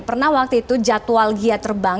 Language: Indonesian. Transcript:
pernah waktu itu jadwal gia terbang